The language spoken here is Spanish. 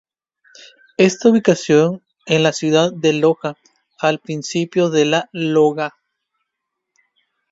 Está ubicado en la ciudad de Loja, provincia de Loja.